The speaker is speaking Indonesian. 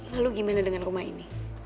lalu gimana dengan rumah ini